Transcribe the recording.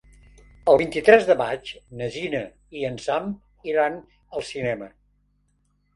El vint-i-tres de maig na Gina i en Sam iran al cinema.